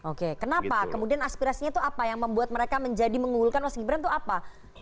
oke kenapa kemudian aspirasinya itu apa yang membuat mereka menjadi mengunggulkan mas gibran itu apa